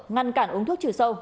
ngăn cản uống thuốc trừ sâu